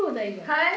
はい。